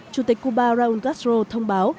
chủ tịch cuba raúl castro thông báo